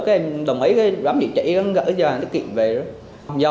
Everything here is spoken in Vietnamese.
cái em đồng ý cái đám vị trí gửi cho anh cái kiện về đó